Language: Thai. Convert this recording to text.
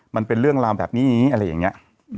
มันเป็นเรื่องราวแบบนี้อะไรอย่างนี้